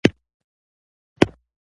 ښوونځي ته د ماشومانو تلل اړین دي.